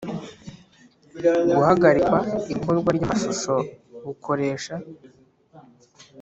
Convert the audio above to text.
Guhagarika ikorwa ry amashusho bukoresha